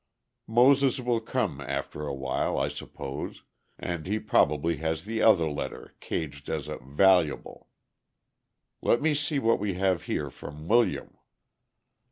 Moses will come after awhile, I suppose, and he probably has the other letter caged as a 'vallable.' Let me see what we have here from William."